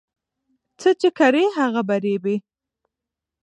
څه چې کري هغه به رېبې